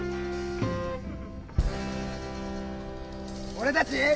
俺たち。